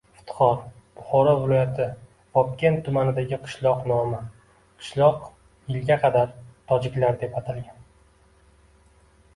Iftixor – Buxoro viloyati Vobkent tumanidagi qishloqning nomi. Qishloq yilga qadar Tojiklar deb atalgan.